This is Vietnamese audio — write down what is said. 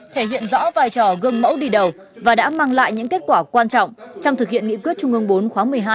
thể hiện rõ vai trò gương mẫu đi đầu và đã mang lại những kết quả quan trọng trong thực hiện nghị quyết trung ương bốn khóa một mươi hai